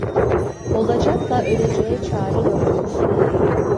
Olacakla öleceğe çare yoktur.